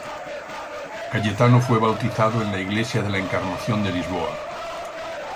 Cayetano fue bautizado en la iglesia de la Encarnación de Lisboa.